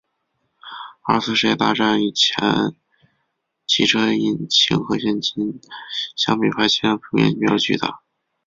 二次世界大战以前的汽车引擎和现今相比排气量普遍比较巨大。